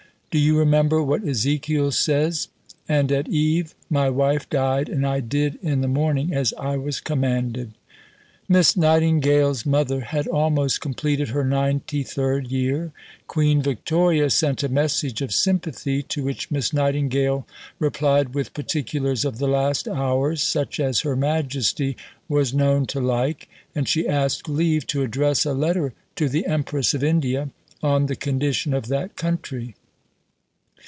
Do you remember what Ezekiel says: 'And at eve my wife died: and I did in the morning as I was commanded.'" Miss Nightingale's mother had almost completed her 93rd year. Queen Victoria sent a message of sympathy to which Miss Nightingale replied with particulars of the last hours such as Her Majesty was known to like, and she asked leave to address a letter to the Empress of India on the condition of that country.